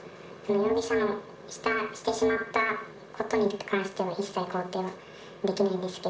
容疑者のしてしまったことに関しては、一切肯定できないんですけ